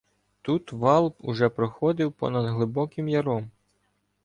Тут вал уже проходив понад глибоким яром.